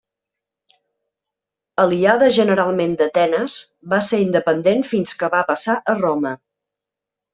Aliada generalment d'Atenes, va ser independent fins que va passar a Roma.